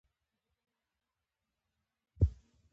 ازادي راډیو د طبیعي پېښې په اړه د نړیوالو مرستو ارزونه کړې.